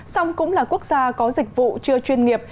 song cũng là quốc gia có dịch vụ chưa chuyên nghiệp